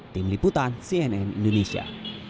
tim liputan cnn indonesia